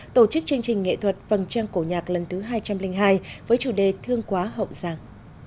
tổ chức chương trình nghệ thuật vầng trăng cổ nhạc lần thứ hai trăm linh hai với chủ đề thương quá hậu giang